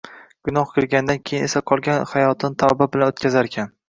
Gunoh qilgandan keyin esa qolgan hayotini tavba bilan o‘tkazarkan